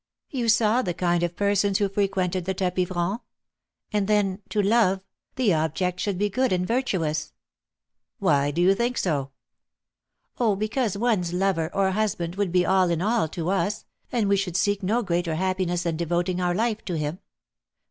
"You saw the kind of persons who frequented the tapis franc. And then, to love, the object should be good and virtuous " "Why do you think so?" "Oh, because one's lover, or husband, would be all in all to us, and we should seek no greater happiness than devoting our life to him. But, M.